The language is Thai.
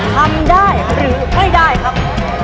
ทำได้หรือไม่ได้ครับ